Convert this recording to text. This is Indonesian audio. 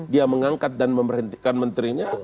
dia mengangkat dan memberhentikan menterinya